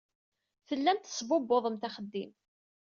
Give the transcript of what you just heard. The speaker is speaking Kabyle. Tellamt tesbubbuḍemt axeddim.